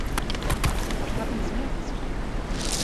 What happens next?